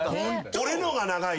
「俺のが長い」